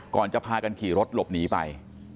ก่อนจะพากันขี่รถหลบหนีไป